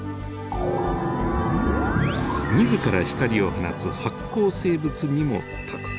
自ら光を放つ発光生物にもたくさん出会います。